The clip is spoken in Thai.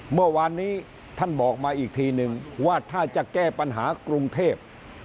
เมื่อวานนี้ท่านบอกมาอีกทีนึงว่าถ้าจะแก้ปัญหากรุงเทพ